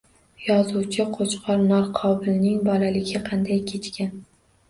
Yozuvchi Qo‘chqor Norqobilning bolaligi qanday kechgan